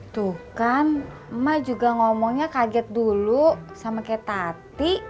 tuh kan emak juga ngomongnya kaget dulu sama kayak tati